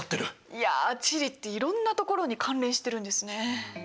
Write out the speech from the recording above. いや地理っていろんなところに関連してるんですね。